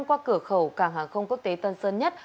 qua cửa khẩu cảng hàng không quốc tế tân sơn nhất